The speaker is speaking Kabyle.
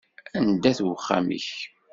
Anda-t uxxam-ik?